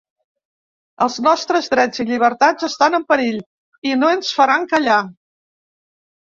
Els nostres drets i llibertats estan en perill i no ens faran callar.